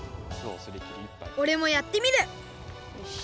おれもやってみる！